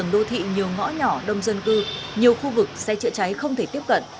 nhiều ngõ nhỏ đông dân cư nhiều khu vực xe chữa cháy không thể tiếp cận